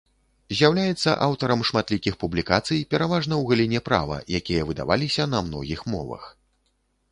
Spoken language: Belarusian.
З'яўляецца аўтарам шматлікіх публікацый, пераважна ў галіне права, якія выдаваліся на многіх мовах.